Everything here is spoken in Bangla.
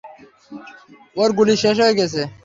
ওর গুলি শেষ হয়ে গেছে।